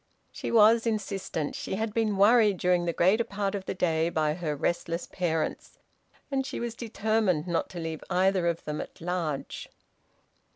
She was insistent. She had been worried during the greater part of the day by her restless parents, and she was determined not to leave either of them at large.